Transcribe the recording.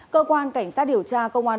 cơ quan cảnh sát điều tra công an quân